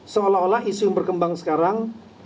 seolah olah isu yang berkembang sekarang